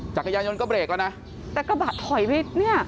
จักรยานยนต์ก็เบรกแล้วนะแต่กระบะถอยไปเนี่ย